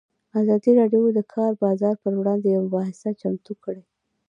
ازادي راډیو د د کار بازار پر وړاندې یوه مباحثه چمتو کړې.